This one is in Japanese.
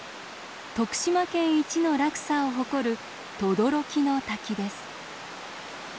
徳島県一の落差を誇る「轟ノ滝」です。